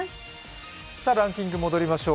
ランキング戻りましょう。